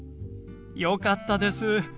よかったです。